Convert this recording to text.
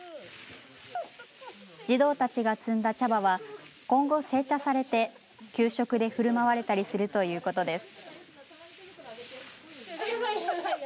児童たちが摘んだ茶葉は今後、製茶されて給食でふるまわれたりするということです。